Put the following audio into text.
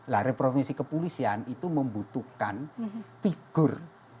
nah reformasi kepolisian itu membutuhkan figur